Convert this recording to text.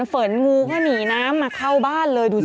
เสริญโงวก็หนีหน้ามาเข้าบ้านเลยดูสิ